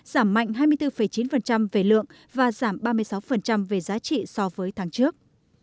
giảm mạnh hai mươi bốn chín về lượng và giảm ba mươi sáu về giá trị so với tháng trước